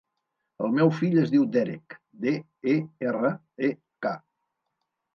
El meu fill es diu Derek: de, e, erra, e, ca.